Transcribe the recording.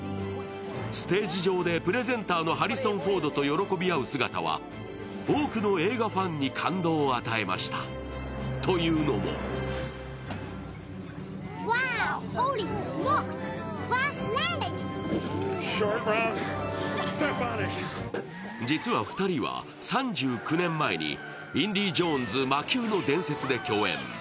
ステージ上でプレゼンターのハリソン・フォードと喜び合う姿は多くの映画ファンに感動を与えました、というのも実は２人は３９年前に「インディ・ジョーンズ／魔宮の伝説」で共演。